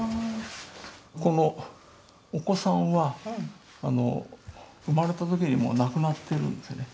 このお子さんは生まれた時にもう亡くなってるんですね。